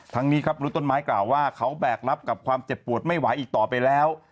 นี้ครับรู้ต้นไม้กล่าวว่าเขาแบกรับกับความเจ็บปวดไม่ไหวอีกต่อไปแล้ว